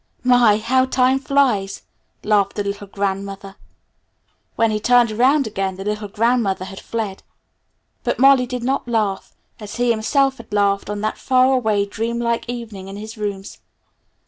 "My, how time flies!" laughed the little grandmother. When he turned around again the little grandmother had fled. But Molly did not laugh, as he himself had laughed on that faraway, dreamlike evening in his rooms.